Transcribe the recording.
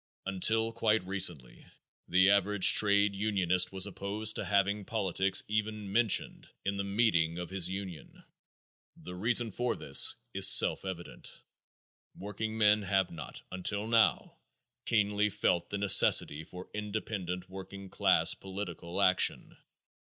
Until quite recently the average trade unionist was opposed to having politics even mentioned in the meeting of his union. The reason for this is self evident. Workingmen have not until now keenly felt the necessity for independent working class political action.